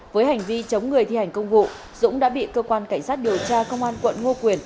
với hành vi chống người thi hành công vụ dũng đã bị cơ quan cảnh sát điều tra công an quận ngo quyền